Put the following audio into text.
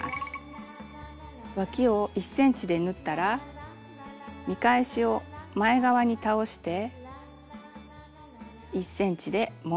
わきを１ｃｍで縫ったら見返しを前側に倒して１ｃｍでもう一度この部分縫います。